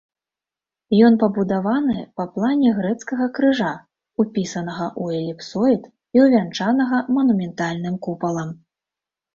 Ён пабудаваны па плане грэцкага крыжа, упісанага ў эліпсоід і увянчанага манументальным купалам.